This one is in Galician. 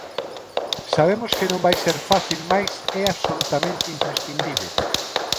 Sabemos que non vai ser fácil mais é absolutamente imprescindíbel.